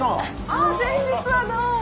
あぁ先日はどうも！